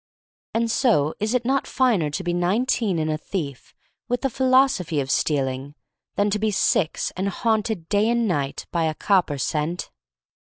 And so, is it not finer to be nineteen and a thief, with the philosophy of stealing — than to be six and haunted day and night by a copper cent?